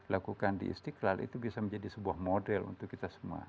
lakukan di istiqlal itu bisa menjadi sebuah model untuk kita semua